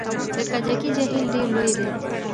د کجکي جهیل ډیر لوی دی